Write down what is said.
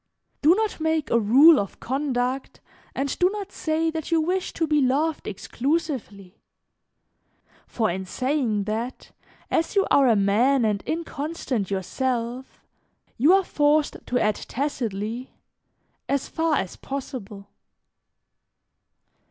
"Do not make a rule of conduct and do not say that you wish to be loved exclusively, for in saying that, as you are a man and inconstant yourself, you are forced to add tacitly: 'As far as possible.'